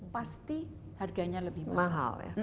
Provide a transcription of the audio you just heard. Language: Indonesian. pasti harganya lebih mahal